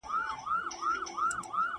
¬ خر و ځان ته اريان و، خاوند ئې بار ته.